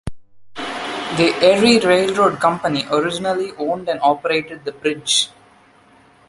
The Erie Railroad company originally owned and operated the bridge.